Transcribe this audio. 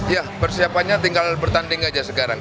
ya persiapannya tinggal bertanding aja sekarang